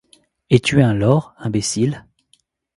Es-tu un lord, imbécile?